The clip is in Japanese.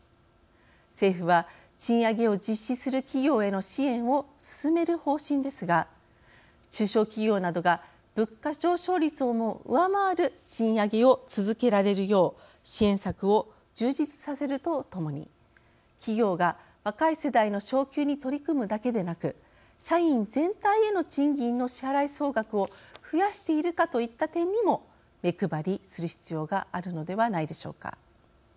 政府は賃上げを実施する企業への支援を進める方針ですが中小企業などが物価上昇率をも上回る賃上げを続けられるよう支援策を充実させるとともに企業が若い世代の昇給に取り組むだけでなく社員全体への賃金の支払い総額を増やしているかといった点にも目配りする必要があるのではないでしょうか。